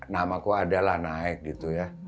namaku adalah naik gitu ya